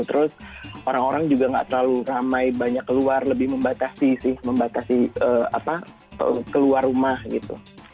terus orang orang juga nggak terlalu ramai banyak keluar lebih membatasi sih membatasi keluar rumah gitu